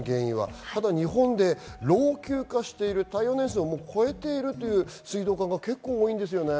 ただ日本で老朽化している、耐用年数を超えている水道管が多いんですよね。